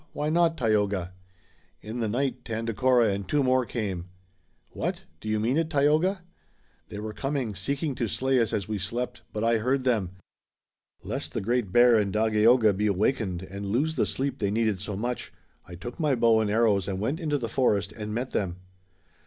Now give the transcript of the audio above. Why not, Tayoga?" "In the night, Tandakora and two more came." "What? Do you mean it, Tayoga?" "They were coming, seeking to slay us as we slept, but I heard them. Lest the Great Bear and Dagaeoga be awakened and lose the sleep they needed so much, I took my bow and arrows and went into the forest and met them."